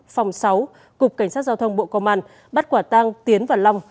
phòng sáu cục cảnh sát giao thông bộ công an bắt quả tang tiến và long